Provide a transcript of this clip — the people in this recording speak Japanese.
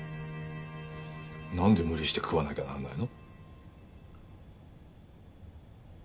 なんで無理して食わなきゃなんないの。